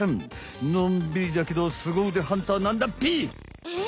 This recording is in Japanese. のんびりだけどすごうでハンターなんだっぺ。え？